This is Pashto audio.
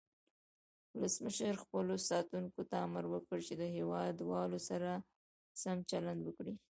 ولسمشر خپلو ساتونکو ته امر وکړ چې د هیواد والو سره سم چلند وکړي.